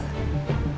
tapi aku rasa